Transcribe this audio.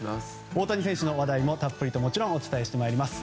大谷選手の話題も、たっぷりともちろんお伝えしてまいります。